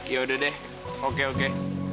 ya udah deh oke oke